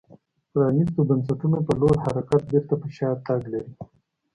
پرانیستو بنسټونو په لور حرکت بېرته پر شا تګ لري